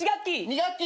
２学期。